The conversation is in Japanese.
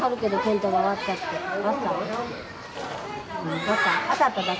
当たっただけ？